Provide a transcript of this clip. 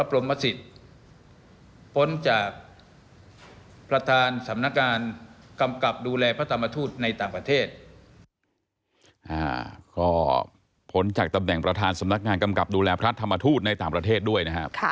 ก็ผลจากตำแหน่งประธานสำนักงานกำกับดูแลพระธรรมทูตในต่างประเทศด้วยนะครับ